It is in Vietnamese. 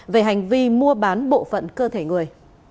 về hành vi mua bán bộ phận cơ thể người